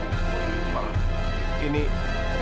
dan mereka samta manta